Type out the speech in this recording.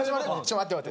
待って待って。